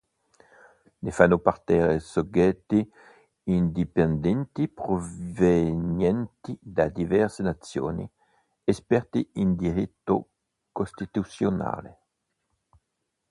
Ne fanno parte soggetti indipendenti provenienti da diverse nazioni, esperti in diritto costituzionale.